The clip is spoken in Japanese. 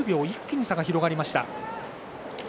一気に差が広がりました。